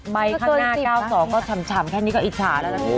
ข้างหน้า๙๒ก็ฉ่ำแค่นี้ก็อิจฉาแล้วนะพี่